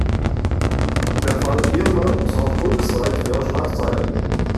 Der „Fall Irmer“ sorgte bundesweit für Schlagzeilen.